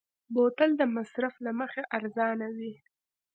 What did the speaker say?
بوتل د مصرف له مخې ارزانه وي.